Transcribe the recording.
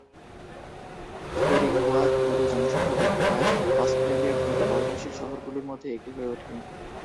থুরিংগোয়া দ্রুত জনসংখ্যা বৃদ্ধি পায়, অস্ট্রেলিয়ার দ্রুত বর্ধনশীল শহরগুলির মধ্যে একটি হয়ে ওঠে।